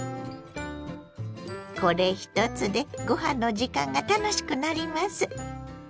これ一つでご飯の時間が楽しくなります。